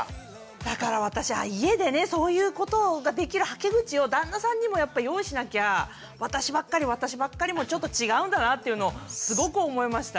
だから私は家でねそういうことができるはけ口を旦那さんにもやっぱ用意しなきゃ私ばっかり私ばっかりもちょっと違うんだなっていうのをすごく思いました。